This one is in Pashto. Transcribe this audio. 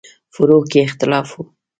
فروع کې اختلاف و.